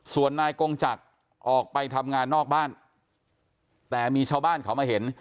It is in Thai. ส่วนนายกงจักรออกไปทำงานนอกบ้านแต่มีชาวบ้านเขามาเห็น